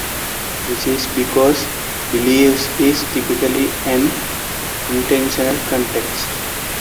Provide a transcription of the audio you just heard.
This is because 'believes' is typically an intensional context.